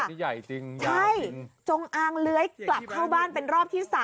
นี่ใหญ่จริงใช่จงอางเลื้อยกลับเข้าบ้านเป็นรอบที่๓